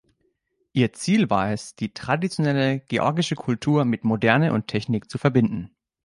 Ihr Ziel war es, die traditionelle georgische Kultur mit Moderne und Technik zu verbinden.